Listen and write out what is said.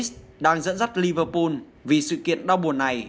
hlv dallas đang dẫn dắt liverpool vì sự kiện đau buồn này